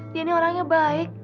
dia nih orangnya baik